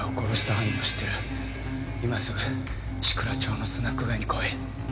今すぐ志蔵町のスナック街に来い。